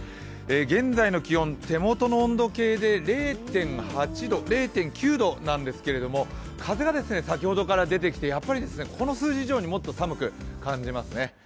現在の気温、手元の温度計で０．９度なんですけれども、風が先ほどから出ていてこの数字以上にもっと寒く感じますね。